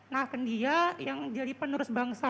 nah kan dia yang jadi penerus bangsa